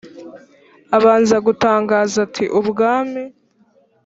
abanza gutangaza ati ubwami